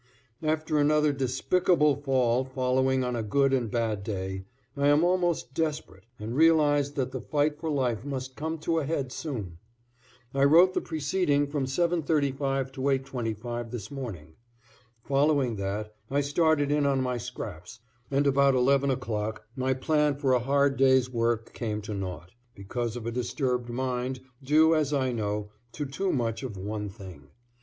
= After another despicable fall following on a good and bad day, I am almost desperate and realize that the fight for life must come to a head soon. I wrote the preceding from 7:35 to 8:25 this morning. Following that I started in on my scraps and about 11 o'clock my plan for a hard day's work came to naught, because of a disturbed mind due, as I know, to too much of one thing.